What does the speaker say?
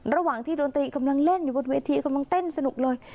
ระหว่างที่ดนตรีกำลังเล่นอยู่บนเวทีกำลังเต้นสนุกเลย